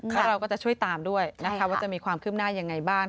แล้วเราก็จะช่วยตามด้วยนะคะว่าจะมีความคืบหน้ายังไงบ้าง